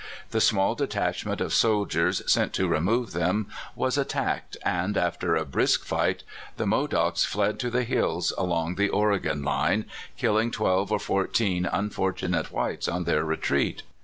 The small detachment of soldiers sent to remove them was attacked, and. Dr. Eleazar Thomas. 141 after a brisk figlit, the Modocs fled to the hills along the Oregon line, killing twelve or fourteen imfortunate whites on their retreat.